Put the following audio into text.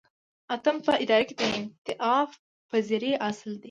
اتم په اداره کې د انعطاف پذیری اصل دی.